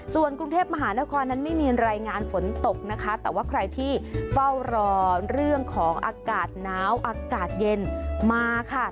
ส่วนกรุงเทพมหานครนั้นไม่มีรายงานฝนตกนะคะแต่ว่าใครที่เฝ้ารอเรื่องของอากาศหนาวอากาศเย็นมาค่ะ